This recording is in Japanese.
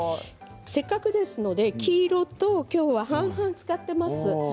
せっかくですのできょうは、黄色のものと半々使っています。